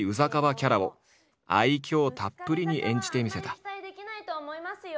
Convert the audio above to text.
キャラを愛嬌たっぷりに演じてみせた。